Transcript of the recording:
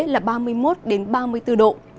là ba mươi một ba mươi bốn độ